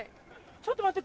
ちょっと待って。